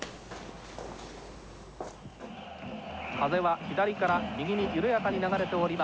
風は左から右に緩やかに流れております。